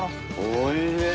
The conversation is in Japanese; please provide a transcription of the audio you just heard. おいしい！